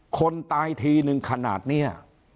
คนตายทีนึงขนาดนี้